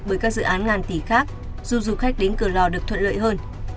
bởi các dự án ngàn tỷ khác dù du khách đến cửa lò được thuận lợi hơn